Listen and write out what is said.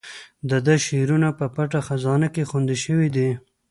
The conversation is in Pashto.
د ده شعرونه په پټه خزانه کې خوندي شوي دي.